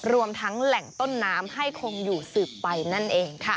รวมทั้งแหล่งต้นน้ำให้คงอยู่สืบไปนั่นเองค่ะ